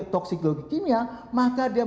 toksikologi kimia maka dia